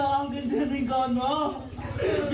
กูโดนกูโดนมาก